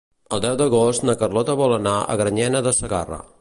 El deu d'agost na Carlota vol anar a Granyena de Segarra.